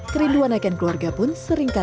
kerinduan akan keluarga pun sering terjadi